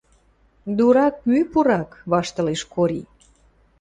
— Дурак — мӱ пурак, — ваштылеш Кори.